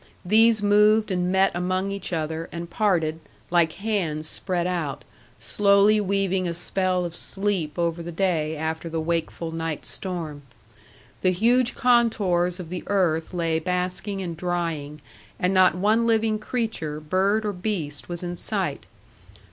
These moved and met among each other, and parted, like hands spread out, slowly weaving a spell of sleep over the day after the wakeful night storm. The huge contours of the earth lay basking and drying, and not one living creature, bird or beast, was in sight.